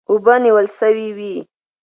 اوبه نیول سوې وې.